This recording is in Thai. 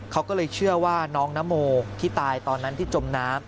เขาก็เลยเชื่อว่าน้องนโมที่ตายตอนนั้นที่จมน้ำ